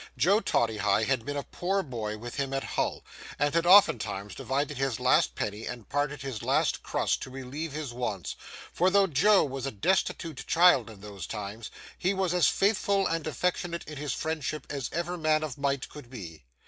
Joe Toddyhigh had been a poor boy with him at Hull, and had oftentimes divided his last penny and parted his last crust to relieve his wants; for though Joe was a destitute child in those times, he was as faithful and affectionate in his friendship as ever man of might could be.